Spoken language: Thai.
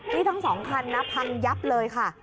นี่ทั้งสองคันนะพังยับเลยค่ะ